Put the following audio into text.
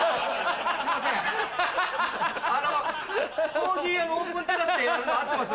コーヒー屋のオープンテラスでやるの合ってます？